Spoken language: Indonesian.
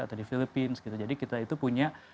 atau di filipina gitu jadi kita itu punya